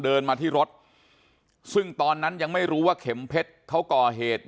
เดินมาที่รถซึ่งตอนนั้นยังไม่รู้ว่าเข็มเพชรเขาก่อเหตุ